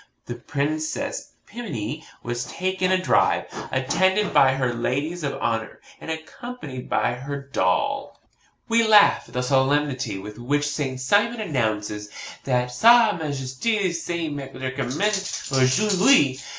'The Princess Pimminy was taken a drive, attended by her ladies of honour, and accompanied by her doll,' &c. We laugh at the solemnity with which Saint Simon announces that SA MAJESTE SE MEDICAMENTE AUJOURD'HUI.